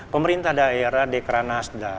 pemerintah daerah dekra nasdaq